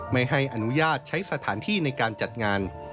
ไม่ให้อนุญาตใช้สถานที่ในการจัดงาน